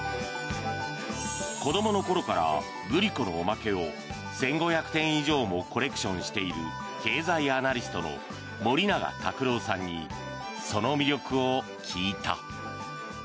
子どもの頃からグリコのおまけを１５００点以上もコレクションしている経済アナリストの森永卓郎さんにその魅力を聞いた。